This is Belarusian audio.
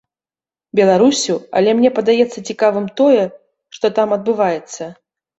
Беларуссю, але мне падаецца цікавым тое, што там адбываецца.